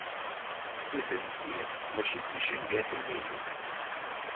Nutenti mačči d ticengatin-inek.